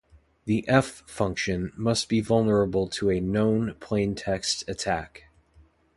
The "F" function must be vulnerable to a known-plaintext attack.